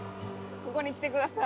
ここに来てください。